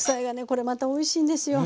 これまたおいしいんですよ。